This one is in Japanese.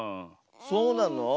そうなの？